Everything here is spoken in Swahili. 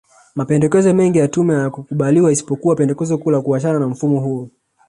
Mapendekezo mengi ya tume hayakukubaliwa isipokuwa pendekezo kuu la kuachana na mfumo huo